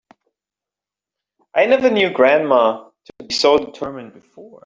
I never knew grandma to be so determined before.